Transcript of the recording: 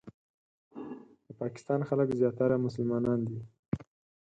د پاکستان خلک زیاتره مسلمانان دي.